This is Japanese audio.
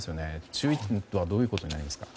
注意点はどういうところになりますか？